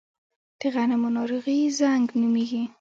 د غنمو ناروغي زنګ نومیږي.